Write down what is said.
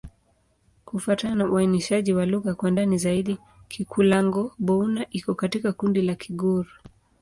Kufuatana na uainishaji wa lugha kwa ndani zaidi, Kikulango-Bouna iko katika kundi la Kigur.